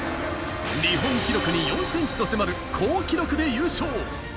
日本記録に４ｃｍに迫る好記録で優勝。